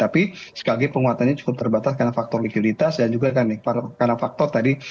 tapi sekali lagi penguatannya cukup terbatas karena faktor likuiditas dan juga karena faktor tadi